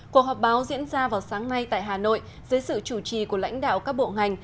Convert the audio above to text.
cuộc họp báo diễn ra vào sáng nay tại hà nội dưới sự chủ trì của lãnh đạo các bộ ngành